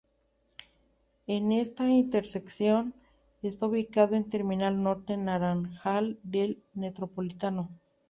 En esta intersección está ubicado el Terminal Norte Naranjal del Metropolitano.